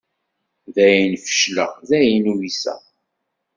Dayen fecleɣ, dayen uyseɣ.